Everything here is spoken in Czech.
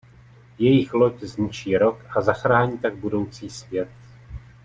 Jejich loď zničí Rock a zachrání tak budoucí svět.